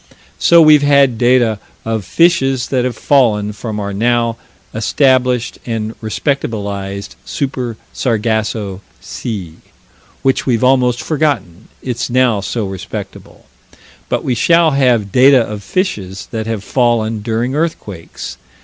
So we've had data of fishes that have fallen from our now established and respectabilized Super Sargasso Sea which we've almost forgotten, it's now so respectable but we shall have data of fishes that have fallen during earthquakes.